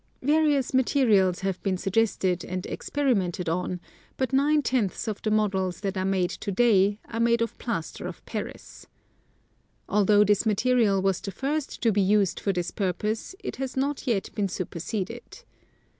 Various materials have been suggested and experimented on, but nine tenths of the models that are made to day are made of plaster of Paris. Although this material was the first to be used for this purpose, it has not yet been superseded.